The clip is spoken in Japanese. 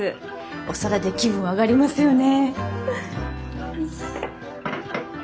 お皿で気分上がりますよね。